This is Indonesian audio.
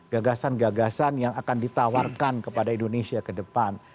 gagasan gagasan yang akan ditawarkan kepada indonesia ke depan